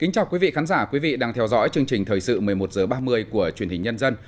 chào mừng quý vị đến với chương trình thời sự một mươi một h ba mươi của truyền hình nhân dân